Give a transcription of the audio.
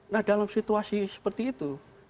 nah dalam situasi seperti itu